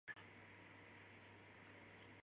圣茹安德布拉武。